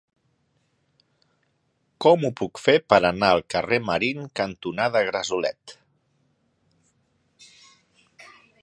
Com ho puc fer per anar al carrer Marín cantonada Gresolet?